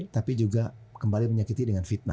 tapi juga kembali menyakiti dengan fitnah